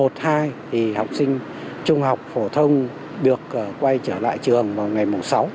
thì học sinh trung học phổ thông được quay trở lại trường vào ngày sáu